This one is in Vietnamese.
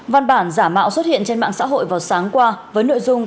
văn bản giả mạo xuất hiện trên mạng xã hội vào sáng qua với nội dung